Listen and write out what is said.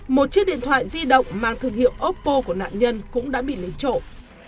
một chiếc điện thoại di động mang thương hiệu oppo của nạn nhân cũng đã bị lấy trộm